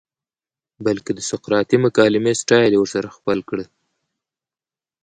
بلکه د سقراطی مکالمې سټائل ئې ورسره خپل کړۀ